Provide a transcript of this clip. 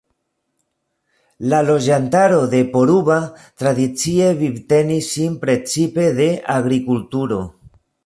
La loĝantaro de Poruba tradicie vivtenis sin precipe de agrikulturo.